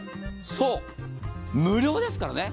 そう、無料ですからね。